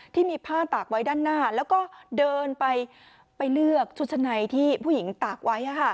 ที่มีผ้าตากไว้ด้านหน้าแล้วก็เดินไปไปเลือกชุดชั้นในที่ผู้หญิงตากไว้